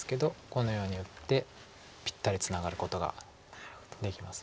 このように打ってぴったりツナがることができます。